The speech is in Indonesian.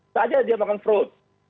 saya dia makan fruit